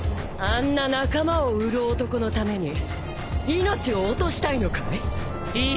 あんな仲間を売る男のために命を落としたいのかい？